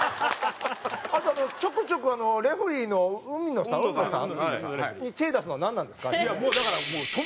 あとあのちょくちょくレフェリーの海野さん？に手を出すのはなんなんですかあれは。